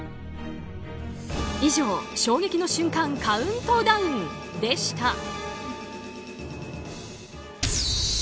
以上、衝撃の瞬間カウントダウンでした。